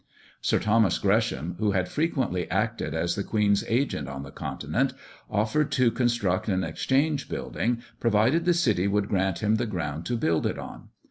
Sir Thomas Gresham, who had frequently acted as the Queen's agent on the Continent, offered to construct an Exchange building, provided the city would grant him the ground to build it on.